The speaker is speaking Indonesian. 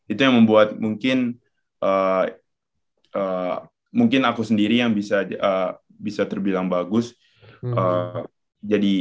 itu yang membuat mungkin aku sendiri yang bisa terlalu berjalan